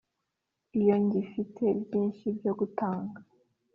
iyo ngifite byinshi byo gutanga.